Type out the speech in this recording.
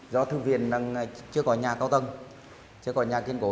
do thư viện đang chưa có nhà cao tân chưa có nhà kiên cố